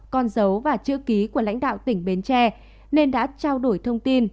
con dấu và chữ ký của lãnh đạo tỉnh bến tre nên đã trao đổi thông tin